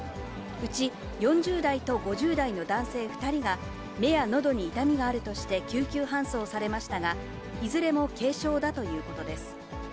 うち４０代と５０代の男性２人が、目やのどに痛みがあるとして救急搬送されましたが、いずれも軽傷だということです。